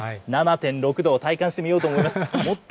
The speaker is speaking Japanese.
７．６度を体感してみようと思います。